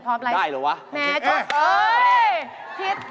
พร้อมเลยได้หรือวะแหมจดเออ